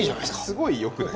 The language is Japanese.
すごいよくないですか？